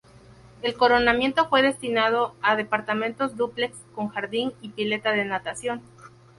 El coronamiento fue destinado a departamentos dúplex con jardín y pileta de natación.